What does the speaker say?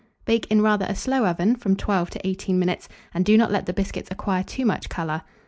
Bake in rather a slow oven from 12 to 18 minutes, and do not let the biscuits acquire too much colour.